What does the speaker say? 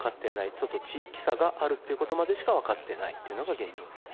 ちょっと地域差があるっていう事までしかわかってないっていうのが現状です。